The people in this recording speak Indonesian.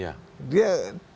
karena dia latihan perang